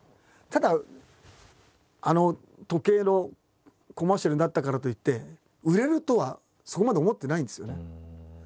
ただあの時計のコマーシャルになったからといって売れるとはそこまで思ってないんですよね。